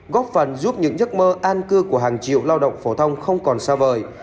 góp phần giúp những giấc mơ an cư của hàng triệu lao động phổ thông không còn xa vời